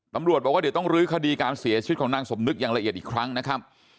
ตำรวจบอกว่าเดี๋ยวต้องลื้อคดีการเสียชีวิตของนางสมนึกอย่างละเอียดอีกครั้งนะครับ